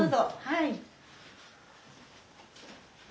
はい。